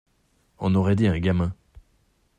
On aurait dit un gamin.